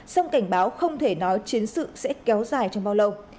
song cảnh báo không thể nói chiến sự sẽ kéo dài trong bao lâu